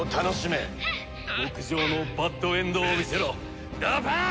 極上のバッドエンドを見せろダパーン！